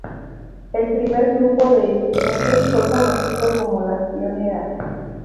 El primer grupo de estudiantes fue conocido como las Pioneras.